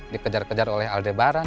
dikejar kejar oleh aldebaran